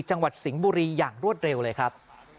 จังหวัดสิงห์บุรีอย่างรวดเร็วเลยครับ